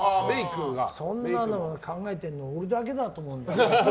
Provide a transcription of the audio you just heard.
そんなの考えてるの俺だけだと思う。